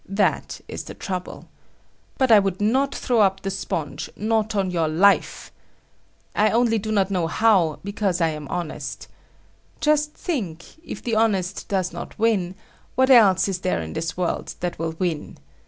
That is the trouble. But I would not throw up the sponge; not on your life! I only do not know how because I am honest. Just think,—if the honest does not win, what else is there in this world that will win?